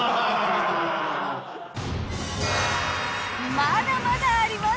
まだまだあります！